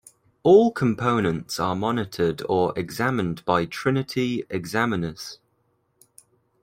All components are monitored or examined by Trinity examiners.